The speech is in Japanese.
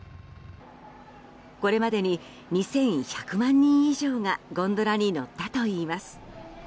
これまでに２１００万人以上がゴンドラに乗ったといいます。